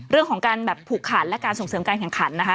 เรื่องของการแบบผูกขันและการส่งเสริมการแข่งขันนะคะ